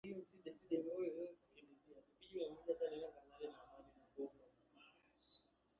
Maradona alifunga magoli thelathini na nne kwa